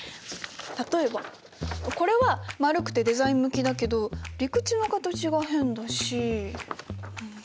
例えばこれは丸くてデザイン向きだけど陸地の形が変だし。